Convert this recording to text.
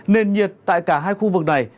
nên nhiệt tại cả hai khu vực này